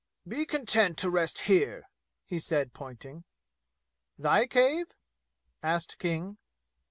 "Be content to rest here!" he said, pointing. "Thy cave?" asked King.